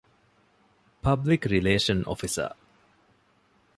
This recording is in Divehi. ޕަބްލިކްރިލޭޝަން އޮފިސަރ